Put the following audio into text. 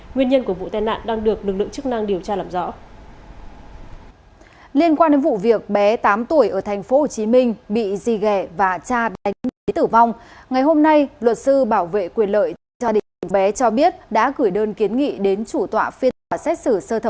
nguyên nhân của vụ tai nạn đang được lực lượng chức năng điều tra làm rõ